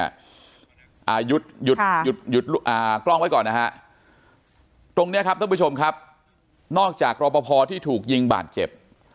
หยุดหยุดกล้องไว้ก่อนนะฮะตรงเนี้ยครับท่านผู้ชมครับนอกจากรอปภที่ถูกยิงบาดเจ็บ